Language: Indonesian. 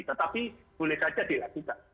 tetapi boleh saja dilakukan